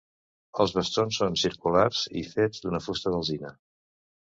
Els bastons són circulars i fets de fusta d'alzina.